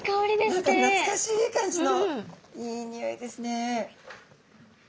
何かなつかしい感じのいいにおいですね。